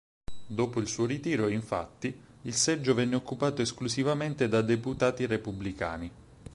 Dopo il suo ritiro infatti il seggio venne occupato esclusivamente da deputati repubblicani.